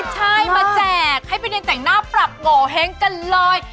ใช่มาแจกให้ไปเรียนแต่งหน้าปรับโงเห้งกันเลย